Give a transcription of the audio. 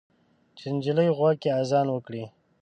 چې د نجلۍ غوږ کې اذان وکړئ